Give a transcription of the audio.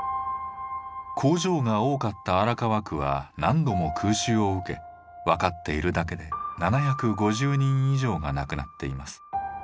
工場が多かった荒川区は何度も空襲を受け分かっているだけで７５０人以上が亡くなっています。